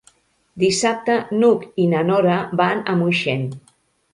Dissabte n'Hug i na Nora van a Moixent.